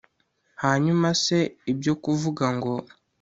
hanyuma se ibyo kuvuga ngo